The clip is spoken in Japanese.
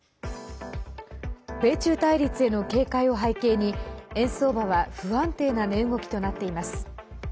米中対立への警戒を背景に円相場は不安定な値動きとなっています。